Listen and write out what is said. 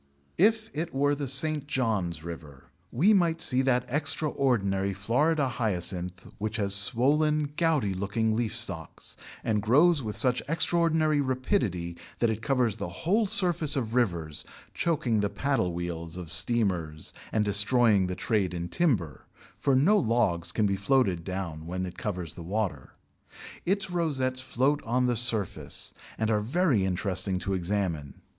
If it were the St. John's River, we might see that extraordinary Florida Hyacinth which has swollen, gouty looking leaf stalks, and grows with such extraordinary rapidity that it covers the whole surface of rivers, choking the paddle wheels of steamers and destroying the trade in timber, for no logs can be floated down when it covers the water. Its rosettes float on the surface, and are very interesting to examine.